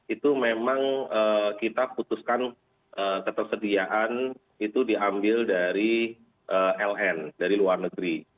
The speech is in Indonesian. itu memang kita putuskan ketersediaan itu diambil dari ln dari luar negeri